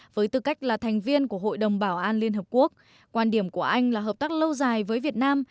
với tư cách là thành viên của hội đồng bảo an liên hợp quốc quan điểm của anh là hợp tác lâu dài với việt nam